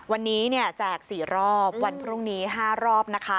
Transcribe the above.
วันนี้เนี่ยแจก๔รอบวันพรุ่งนี้๕รอบนะคะ